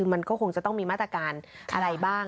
มันก็คงจะต้องมีมาตรการอะไรบ้าง